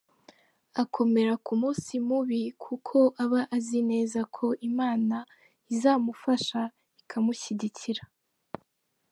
Akomera ku munsi mubi kuko aba azi neza ko Imana izamufasha ikamushyigikira,.